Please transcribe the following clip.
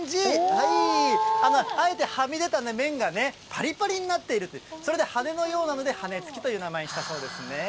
はい、あえてはみ出た麺がね、ぱりぱりになっているという、それで羽根のようなので羽根つきという名前にしたそうですね。